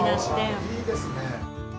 あいいですね。